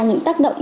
những tác động